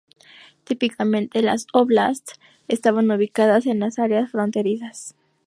Típicamente, las óblasts estaban ubicadas en las áreas fronterizas.